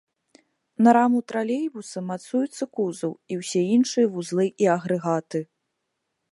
На раму тралейбуса мацуецца кузаў і ўсе іншыя вузлы і агрэгаты.